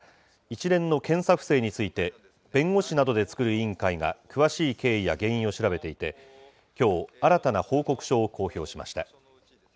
三菱電機は、一連の検査不正について、弁護士などで作る委員会が詳しい経緯や原因を調べていて、きょう、新たな報告書を公表しました。